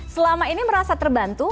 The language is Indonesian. selama ini merasa terbantu